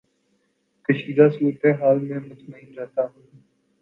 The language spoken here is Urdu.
کشیدہ صورت حال میں مطمئن رہتا ہوں